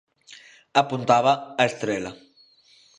Apuntaba a estrela.